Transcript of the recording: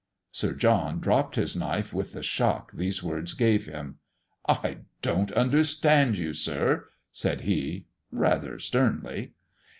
Sir John dropped his knife with the shock these words gave him. "I dont understand you, sir," said he, rather sternly.